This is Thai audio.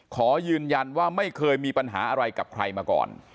ขอยืนยันว่าไม่เคยมีปัญหาอะไรกับใครมาก่อน